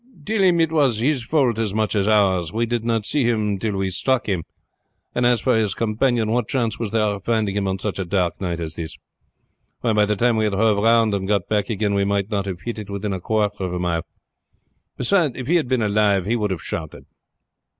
"Tell him it was his fault as much as ours. We did not see him till we struck him. And as for his companion, what chance was there of finding him on such a dark night as this? Why, by the time we had hove round and got back again we might not have hit it within a quarter of a mile. Besides, if he had been alive he would have shouted."